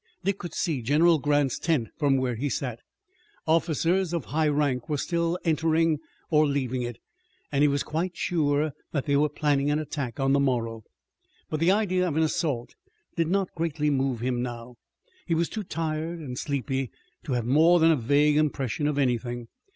Dick could see General Grant's tent from where he sat. Officers of high rank were still entering it or leaving it, and he was quite sure that they were planning an attack on the morrow. But the idea of an assault did not greatly move him now. He was too tired and sleepy to have more than a vague impression of anything.